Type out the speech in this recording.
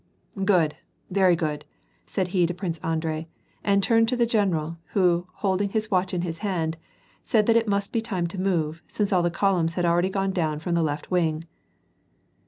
" Good, very good," said he to Prince Andrei, and turned to the genenil, who, holding his watch in his hand, said that it must be time to move, since all the columns had already gone down from the left wing.